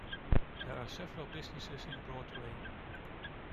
There are several businesses in Broadway.